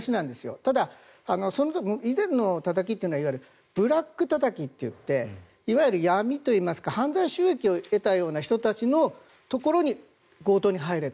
ただ、以前のたたきというのはいわゆるブラックたたきといっていわゆる闇というか犯罪収益を得たような人たちのところに強盗に入れと。